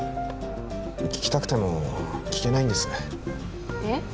聞きたくても聞けないんですえっ？